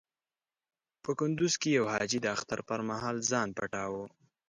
په کندز کې يو حاجي د اختر پر مهال ځان پټاوه.